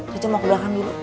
dia mau ke belakang dulu